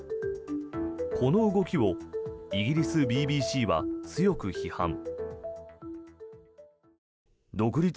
この動きをイギリス、ＢＢＣは強く批判。